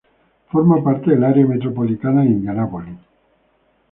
Forma parte del área metropolitana de Indianápolis.